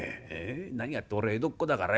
何がって俺は江戸っ子だからよ